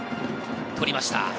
捕りました。